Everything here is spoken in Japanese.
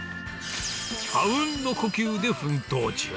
あうんの呼吸で奮闘中！